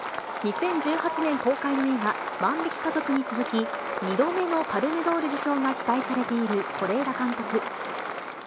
２０１８年公開の映画、万引き家族に続き、２度目のパルムドール受賞が期待されている是枝監督。